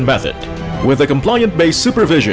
dengan pengawasan berbasis risiko